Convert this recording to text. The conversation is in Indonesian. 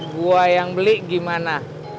gue yang beli gimana